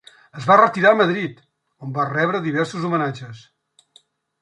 Es va retirar a Madrid, on va rebre diversos homenatges.